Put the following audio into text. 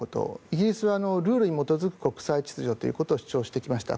イギリスはルールに基づく国際秩序ということを主張してきました。